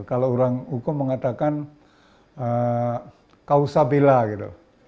kalau orang hukum mengatakan kausabela gitu